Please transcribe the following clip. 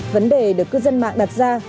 vấn đề được cư dân mạng đặt ra